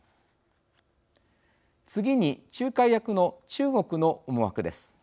次に仲介役の中国の思惑です。